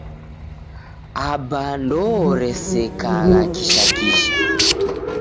Aba ndooresekagha kisha kisha.